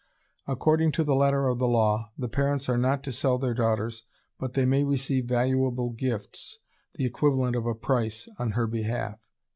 According to the letter of the law, the parents are not to sell their daughters, but they may receive valuable gifts, the equivalent of a price, on her behalf."